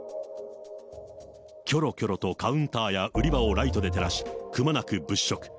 きょろきょろとカウンターや売り場をライトで照らし、くまなく物色。